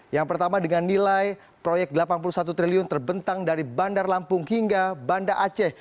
yang pertama dengan nilai proyek rp delapan puluh satu triliun terbentang dari bandar lampung hingga banda aceh